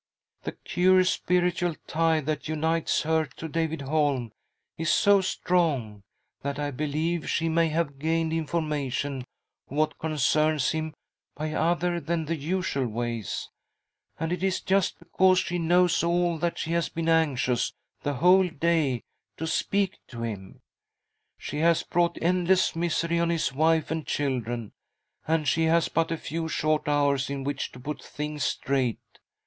" The curious spiritual tie that unites her to David •; .v" >. C '*•~'■•• A CALL FROM THE PAST 99 Holm is so strong, that I believe she may have gained information of what concerns him by other than the usual ways, and it is just because she knows all that she has been anxious the whole day to speak to him. She has brought endless misery on his wife and children, and she has but a few short hours in which to put things straight.